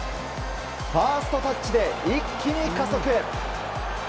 ファーストタッチで一気に加速！